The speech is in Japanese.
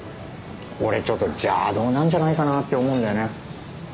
俺ちょっと邪道なんじゃないかなって思うんだよね。